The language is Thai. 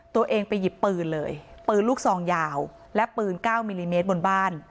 ตัวเองไปหยิบปืนเลยปืนลูกซองยาวและปืน๙มิลลิเมตรบนบ้าน